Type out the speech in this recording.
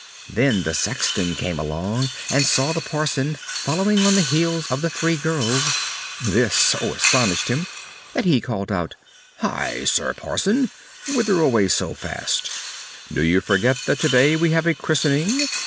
Then the sexton came along, and saw the parson following on the heels of the three girls. This so astonished him that he called out, "Hi! Sir Parson, whither away so fast? Do you forget that today we have a christening?"